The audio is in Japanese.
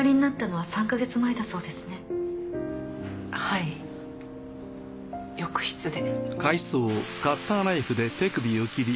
はい浴室で。